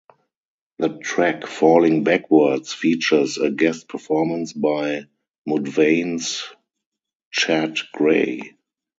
The track "Falling Backwards" features a guest performance by Mudvayne's Chad Gray.